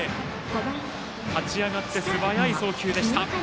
立ち上がって素早い送球でした。